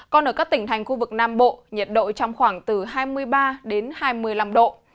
còn ở các tỉnh thành khu vực nam bộ nhiệt độ trong khoảng từ hai mươi ba đến hai mươi năm độ